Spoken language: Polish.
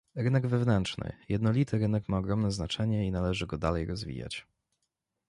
Rynek wewnętrzny, jednolity rynek ma ogromne znaczenie i należy go dalej rozwijać